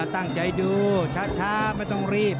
ตั้งใจดูช้าไม่ต้องรีบ